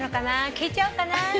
聞いちゃおっかな。